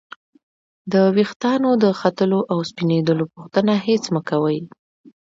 د ورېښتانو د ختلو او سپینیدلو پوښتنه هېڅ مه کوئ!